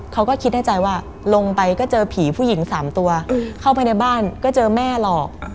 เขาก็คิดในใจว่าลงไปก็เจอผีผู้หญิง๓ตัวเข้าไปในบ้านก็เจอแม่หลอก